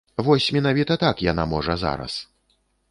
Вось менавіта так яна можа зараз.